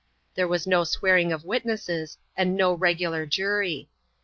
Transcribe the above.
There was no swearing of witnesses, and no regular jury.